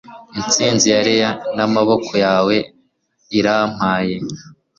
intsinzi ya laurel n'amaboko yawe irampaye